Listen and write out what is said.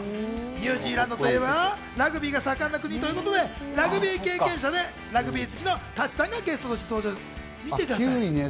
ニュージーランドといえばラグビーが盛んな国ということでラグビー経験者でラグビー好きの舘さんがゲストとして登場。